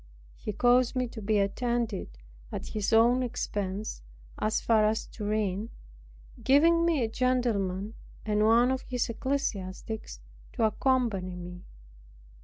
He caused me to be attended, at his own expense, as far as Turin, giving me a gentleman and one of his ecclesiastics to accompany me.